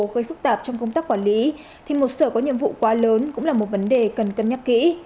gây phức tạp trong công tác quản lý thì một sở có nhiệm vụ quá lớn cũng là một vấn đề cần cân nhắc kỹ